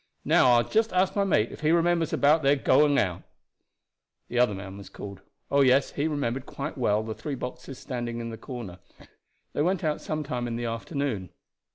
Now I will just ask my mate if he remembers about their going out." The other man was called. Oh, yes, he remembered quite well the three boxes standing in the corner. They went out some time in the afternoon.